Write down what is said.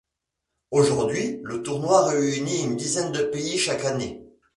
Aujourd'hui, le tournoi réunit une dizaine de pays chaque année.